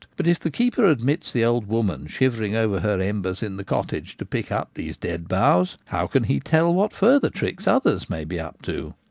But if the keeper admits the old woman shivering over her embers in the cottage to pick up these dead boughs, how can he tell what further tricks others may be up to